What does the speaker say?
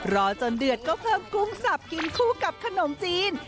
รอจนเดือดก็เพิ่มกุ้งสับกินคู่กับขนมจีน